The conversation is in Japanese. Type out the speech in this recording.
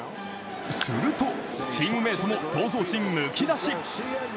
するとチームメートも闘争心むき出し。